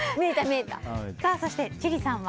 そして、千里さんは？